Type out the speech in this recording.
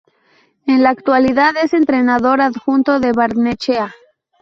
En la actualidad es entrenador adjunto de Barnechea.